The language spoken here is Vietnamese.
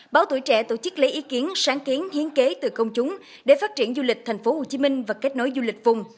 báo tuổi trẻ tổ chức lấy ý kiến sáng kiến hiến kế từ công chúng để phát triển du lịch tp hcm và kết nối du lịch vùng